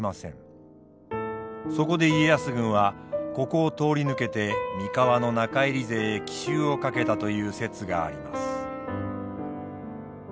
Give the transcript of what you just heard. そこで家康軍はここを通り抜けて三河の中入り勢へ奇襲をかけたという説があります。